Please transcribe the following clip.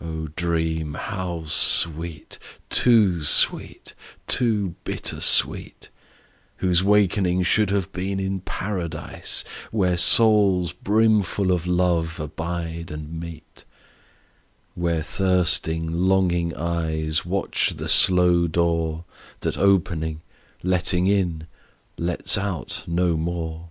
O dream how sweet, too sweet, too bitter sweet, Whose wakening should have been in Paradise, Where souls brimful of love abide and meet; Where thirsting longing eyes Watch the slow door That opening, letting in, lets out no more.